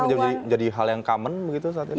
menjadi hal yang common begitu saat ini